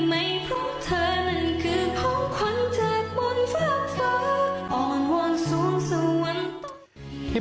ไหมเพราะเธอมันคือของขวัญจากบนฟ้าฟ้าอ่อนวนสูงส่วนที่